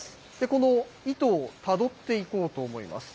この糸をたどっていこうと思います。